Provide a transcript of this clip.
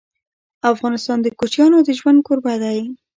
افغانستان د کوچیانو د ژوند کوربه دی.